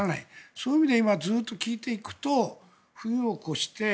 そういう意味でずっと聞いていくと冬を越して